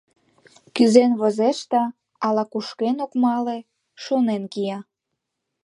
Кӱзен возеш да ала-кушкен ок мале, шонен кия.